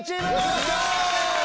よっしゃ！